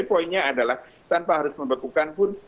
tapi poinnya adalah tanpa harus membekuan pun